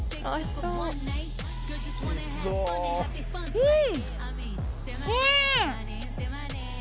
うん！